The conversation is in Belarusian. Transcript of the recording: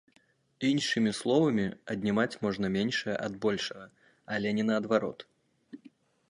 Іншымі словамі, аднімаць можна меншае ад большага, але не наадварот.